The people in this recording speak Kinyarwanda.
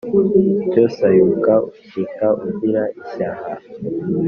cyo sayuka ushyika ugira ishyaha